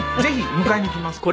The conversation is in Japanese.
迎えに行きますから。